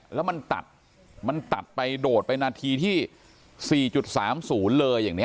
แล้วมันตัดมันตัดไปโดดไปนาทีที่๔๓๐เลยอย่างนี้